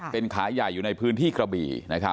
เป็นขายใหญ่อยู่ในพื้นที่กระบี่